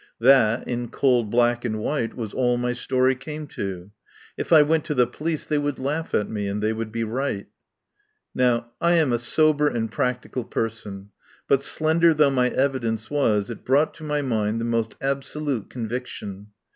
That, in cold black and white, was all my story came to. If I went to the police they would laugh at me, and they would be right. Now I am a sober and practical person, but, slender though my evidence was, it brought to my mind the most absolute con viction.